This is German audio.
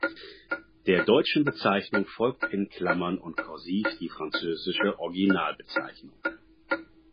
Der deutschen Bezeichnung folgt in Klammern und kursiv die französische Originalbezeichnung.